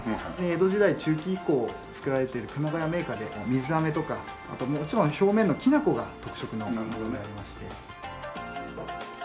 江戸時代中期以降作られている熊谷銘菓で水あめとかあと表面のきな粉が特色のものになりまして。